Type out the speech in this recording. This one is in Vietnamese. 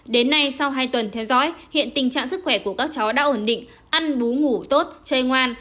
đến nay sau hai tuần theo dõi hiện tình trạng sức khỏe của các cháu đã ổn định ăn bú tốt chơi ngoan